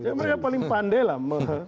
ya mereka paling pandai lah